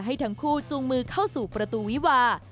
ให้ทั้งคู่จูงมือเข้าสู่ประตูวิวา